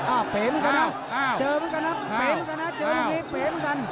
อ้าวเผยมันกันนะเจอมันกันนะเผยมันกันนะเจออย่างนี้เผยมันกัน